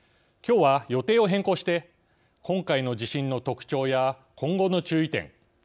予定を変更して今回の地震の特徴や今後の注意点